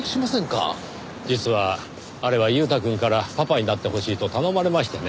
実はあれは裕太くんからパパになってほしいと頼まれましてね。